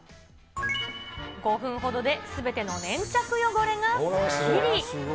５分ほどですべての粘着汚れがすっきり。